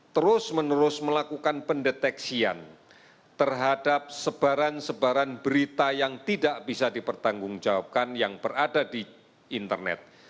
terus menerus melakukan pendeteksian terhadap sebaran sebaran berita yang tidak bisa dipertanggungjawabkan yang berada di internet